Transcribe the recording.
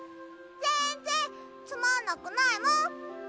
ぜんぜんつまんなくないもん！